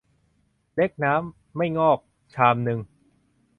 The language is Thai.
เล็กน้ำ ไม่งอก ชามนึง